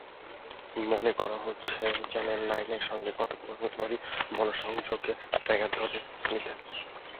মনে করা হচ্ছে, চ্যানেল নাইনের সঙ্গে কথোপকথনের পরই মনঃসংযোগে ব্যাঘাত ঘটে স্মিথের।